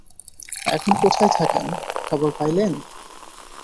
এখন কোথায় থাকেন, খবর পাইলেন?